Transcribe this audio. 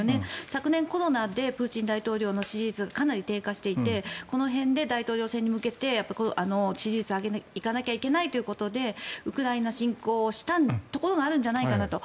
昨年、コロナでプーチン大統領の支持率がかなり低下していてこの辺で大統領選に向けて支持率を上げていかなきゃいけないということでウクライナ侵攻をしたところがあるんじゃないかなと。